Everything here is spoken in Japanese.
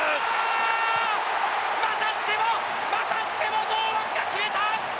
またしてもまたしても堂安が決めた！